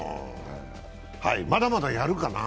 まだまだやるかな。